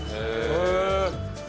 へえ！